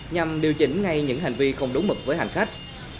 nhằm điều chỉnh ngay những hành vi không đúng mực với hành khách